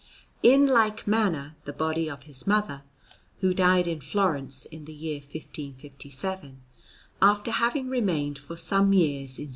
In like manner, the body of his mother (who died in Florence in the year 1557), after having remained for some years in S.